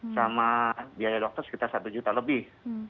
sama biaya dokter sekitar satu juta lebih